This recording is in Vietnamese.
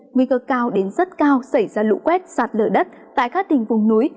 nguy cơ cao đến rất cao xảy ra lũ quét sạt lở đất tại các tỉnh vùng núi